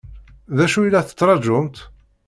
D acu i la tettṛaǧumt?